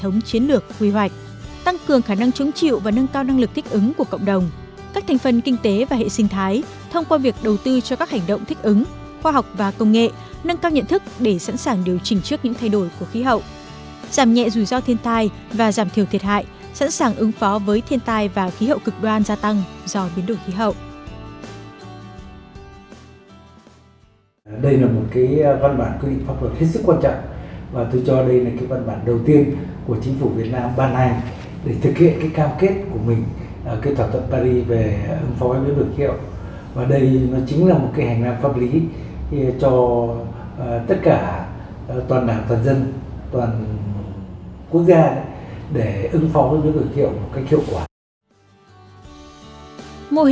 nâng cường khả năng chống chịu và nâng cao năng lực thích ứng của cộng đồng các thành phần kinh tế và hệ sinh thái thông qua việc đầu tư cho các hành động thích ứng khoa học và công nghệ nâng cao nhận thức để sẵn sàng điều chỉnh trước những thay đổi của khí hậu giảm nhẹ rủi ro thiên tai và giảm thiểu thiệt hại sẵn sàng ứng phó với thiên tai và khí hậu cực đoan gia tăng do biến đổi khí hậu